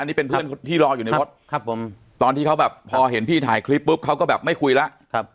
นี่เป็นเพื่อนที่รออยู่ในรถครับผมตอนที่เขาแบบพอเห็นพี่ถ่ายคลิปปุ๊บเขาก็แบบไม่คุยแล้ว